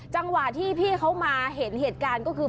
จังหวะที่พี่เขามาเห็นเหตุการณ์ก็คือ